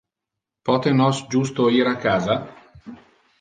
Pote nos justo ir a casa?